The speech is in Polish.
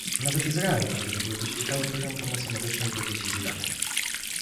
Nawet Izrael przygotowuje dość ciekawy program pomocy medycznej dla dzieci z Iraku